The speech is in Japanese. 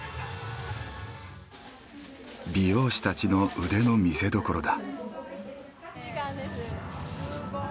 美容師たちの腕の見せどころだ。